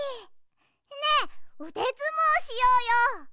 ねえうでずもうしようよ！